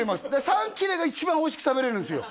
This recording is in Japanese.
３切れが一番おいしく食べれるんですよ